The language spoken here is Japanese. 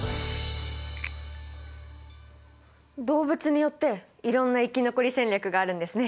動物によっていろんな生き残り戦略があるんですね。